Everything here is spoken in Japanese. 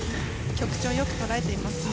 曲調よく捉えていますね。